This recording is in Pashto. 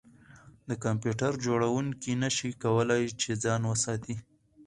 د کمپیوټر جوړونکي نشوای کولی چې ځان وساتي